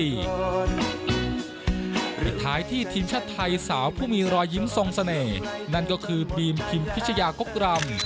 ปิดท้ายที่ทีมชาติไทยสาวผู้มีรอยยิ้มทรงเสน่ห์นั่นก็คือพีมพิมพิชยากกรำ